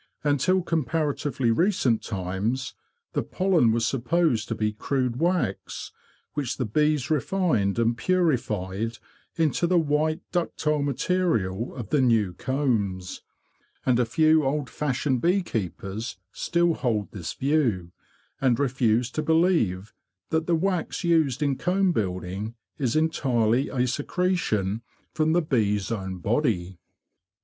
Until comparatively recent times the pollen was supposed to be crude wax, which the bees refined and purified into the white ductile material of the new combs; and a few old fashioned bee keepers still hold this view, and refuse to believe that the wax used in comb building is entirely a secretion from the bee's own body.